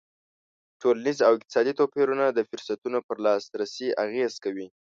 ټولنیز او اقتصادي توپیرونه د فرصتونو پر لاسرسی اغېز کوي.